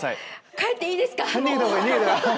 帰っていいですか？